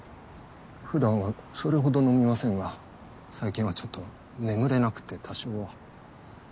普段はそれほど飲みませんが最近はちょっと眠れなくて多少は。